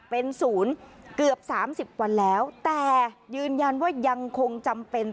เป็นศูนย์เกือบสามสิบวันแล้วแต่ยืนยันว่ายังคงจำเป็น